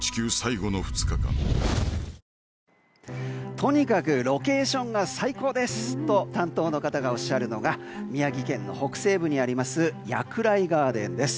とにかくロケーションが最高ですと担当の方がおっしゃるのが宮城県の北西部にありますやくらいガーデンです。